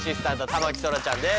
田牧そらちゃんです。